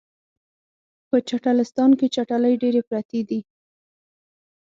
په چټلستان کې چټلۍ ډیرې پراتې دي